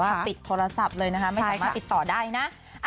ปิดโทรศัพท์เลยนะคะไม่สามารถติดต่อได้นะ